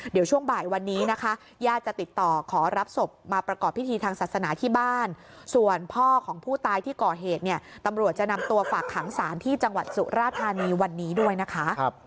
เดี๋ยวช่วงบ่ายวันนี้นะคะญาติจะติดต่อขอรับศพมาประกอบพิธีทางศาสนาที่บ้านส่วนพ่อของผู้ตายที่ก่อเหตุเนี่ยตำรวจจะนำตัวฝากขังสารที่จังหวัดสุราธานีวันนี้ด้วยนะคะ